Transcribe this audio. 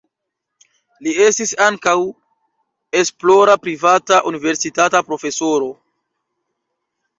Li estis ankaŭ esplora privata universitata profesoro.